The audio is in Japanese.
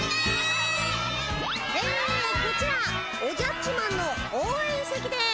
こちらおじゃっちマンのおうえんせきです。